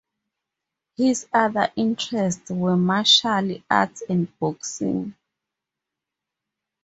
His other interests were martial arts and boxing.